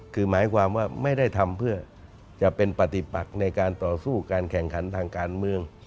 คือหมายความว่าไม่ได้ทำเพื่อจะเป็นปฏิปักในการต่อสู้การแข่งขันทางการเมือง